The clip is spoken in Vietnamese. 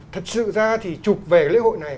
thật sự ra thì chụp về lễ hội này